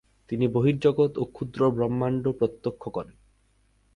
তিনি বহির্জগৎ ও ক্ষুদ্র ব্রহ্মাণ্ড প্রত্যক্ষ করেন।